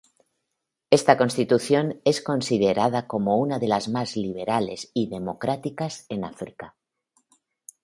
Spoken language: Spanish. Esta Constitución es considerada como una de las más liberales y democráticas en África.